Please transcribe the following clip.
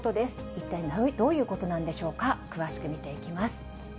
一体どういうことなんでしょうか、詳しく見ていきます。